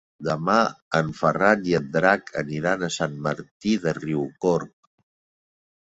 Demà en Ferran i en Drac aniran a Sant Martí de Riucorb.